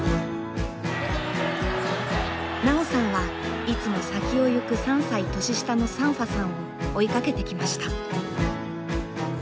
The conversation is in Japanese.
奈緒さんはいつも先を行く３歳年下のサンファさんを追いかけてきました。